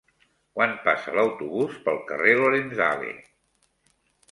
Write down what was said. Quan passa l'autobús pel carrer Lorenzale?